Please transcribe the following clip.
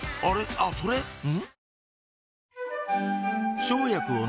あっそれん？